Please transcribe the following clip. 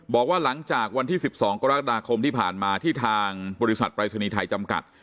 บอกว่าหลังจากวันที่๑๒กรกฎาคมที่ผ่านมาที่ทางบริษัทปรายศนีย์ไทยจำกัด